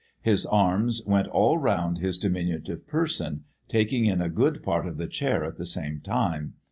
His arms went all round his diminutive person, taking in a good part of the chair at the same time.